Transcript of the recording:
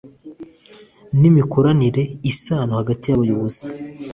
n'imikoranire, isano hagati y'abayobozi